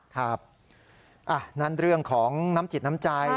ครับนั่นเรื่องของน้ำจิตน้ำใจ